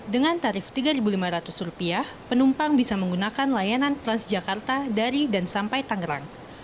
dengan tarif rp tiga lima ratus penumpang bisa menggunakan layanan transjakarta dari dan sampai tangerang